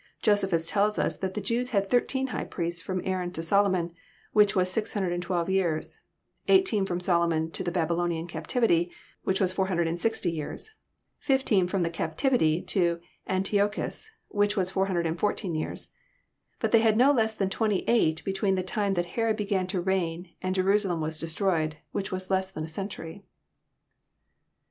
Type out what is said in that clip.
Josephus tells as that the Jews had thirteen high priests from Aaron to Solomon, which was 612 years; eighteen Arom Solomon to the Babylonian captivity, which was 460 years ; fifteen from the captivity to Antiochas, which was 414 years : bat they had no less than twenty eight between the time that Herod began to reign and Jerusalem was destroyed, which was less than a century.